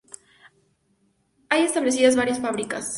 Hay establecidas varias fábricas.